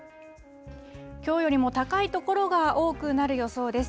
きょうよりも高い所が多くなる予想です。